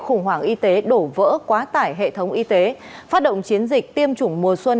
khủng hoảng y tế đổ vỡ quá tải hệ thống y tế phát động chiến dịch tiêm chủng mùa xuân